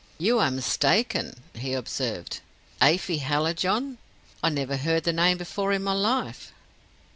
"You are mistaken," he observed. "Afy Hallijohn? I never heard the name before in my life."